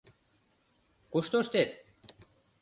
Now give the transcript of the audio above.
— Кушто ыштет?